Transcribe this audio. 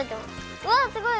うわすごい。